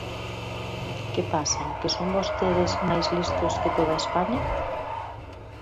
¿Que pasa, que son vostedes máis listos que toda España?